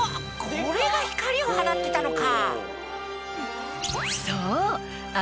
これが光を放ってたのか！